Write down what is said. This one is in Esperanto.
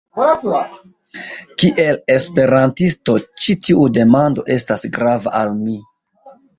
Kiel Esperantisto, ĉi tiu demando estas grava al mi.